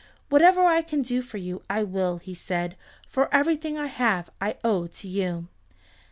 "Whatever I can do for you I will," he said, "for everything I have I owe to you."